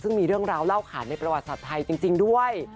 ซึ่งมีเรื่องราวเล่าขาดในประวัติศาสตร์ไทยจริงด้วย